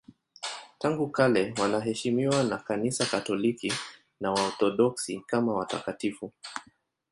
Tangu kale wanaheshimiwa na Kanisa Katoliki na Waorthodoksi kama watakatifu.